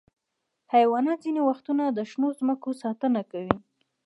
حیوانات ځینې وختونه د شنو ځمکو ساتنه کوي.